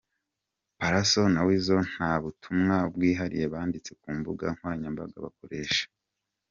Pallaso na Weasel nta butumwa bwihariye banditse ku mbuga nkoranyambaga bakoresha.